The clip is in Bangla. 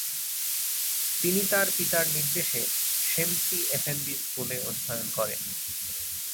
তিনি তার পিতার নির্দেশে শেমসি এফেন্দি স্কুলে অধ্যয়ন করেন।